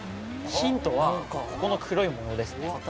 ヒントはここの黒い模様ですね。